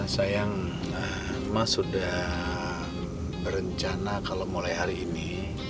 sayang mas sudah berencana kalau mulai hari ini